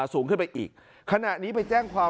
สูงขึ้นไปอีกขณะนี้ไปแจ้งความ